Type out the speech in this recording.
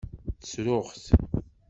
Ssruɣ-t.